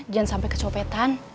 jangan sampai kecopetan